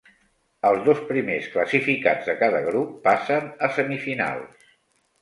Els dos primers classificats de cada grup passen a semifinals.